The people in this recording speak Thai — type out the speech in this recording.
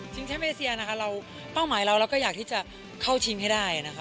แชมป์เอเซียนะคะเราเป้าหมายเราเราก็อยากที่จะเข้าชิงให้ได้นะคะ